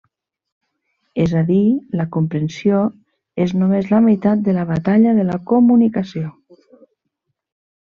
És a dir, la comprensió és només la meitat de la batalla de la comunicació.